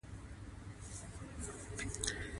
کار وکړو نو غريبان به شو، مال به مو کم شي